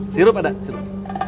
sirup ada sirup